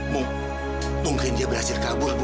mungkin dia berhasil kabur bu